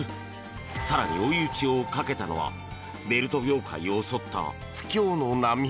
更に追い打ちをかけたのはベルト業界を襲った不況の波。